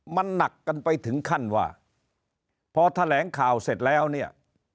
มันหนักกันไปถึงขั้นว่าพอแถลงข่าวเสร็จแล้วเนี่ย